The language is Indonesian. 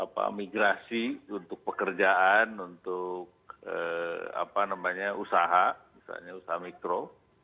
dan migrasi untuk pekerjaan untuk usaha misalnya usaha mikro